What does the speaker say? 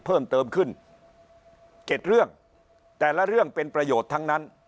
เพิ่มเติมขึ้น๗เรื่องแต่ละเรื่องเป็นประโยชน์ทั้งนั้น